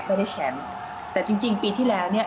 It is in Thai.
ได้แชมป์แต่จริงจริงปีที่แล้วเนี่ย